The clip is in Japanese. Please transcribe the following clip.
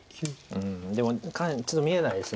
うんでも下辺ちょっと見えないです。